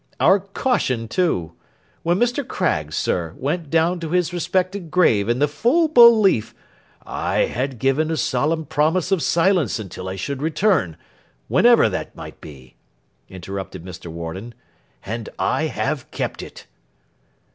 Our caution too! When Mr. Craggs, sir, went down to his respected grave in the full belief—' 'I had given a solemn promise of silence until I should return, whenever that might be,' interrupted Mr. Warden; 'and I have kept it.